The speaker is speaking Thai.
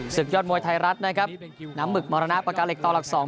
ยอดมวยไทยรัฐนะครับน้ำหึกมรณปากกาเหล็กต่อหลัก๒